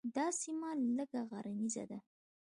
دا سیمه لږه غرنیزه ده.